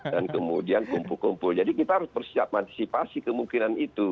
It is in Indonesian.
dan kemudian kumpul kumpul jadi kita harus bersiap mantisipasi kemungkinan itu